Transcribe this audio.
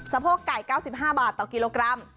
โพกไก่๙๕บาทต่อกิโลกรัม